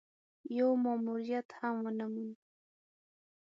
يو ماموريت هم ونه موند.